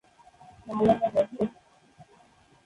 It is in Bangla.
মাওলানা বাজার।